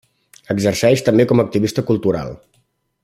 Exerceix també com activista cultural.